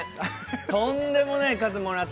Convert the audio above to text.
とんでもない数もらってた。